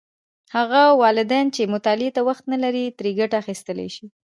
هغه والدین چې مطالعې ته وخت نه لري، ترې ګټه اخیستلی شي.